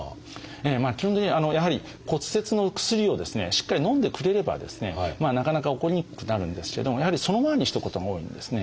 基本的にやはり骨折のお薬をですねしっかりのんでくれればですねなかなか起こりにくくなるんですけどもやはりそのままにしておくことが多いんですね。